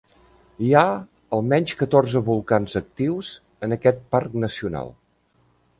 Hi ha almenys catorze volcans actius en aquest parc nacional.